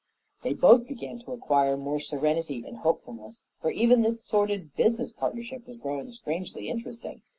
They both began to acquire more serenity and hopefulness, for even this sordid business partnership was growing strangely interesting.